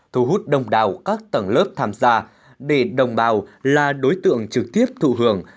thu hút đông đào các tầng lớp tham gia để đồng bào là đối tượng trực tiếp thụ hưởng